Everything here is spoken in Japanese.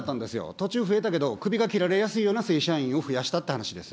途中増えたけど、首が切られやすいような正社員を増やしたって話です。